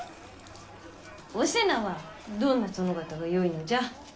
お瀬名はどんな殿方がよいのじゃ？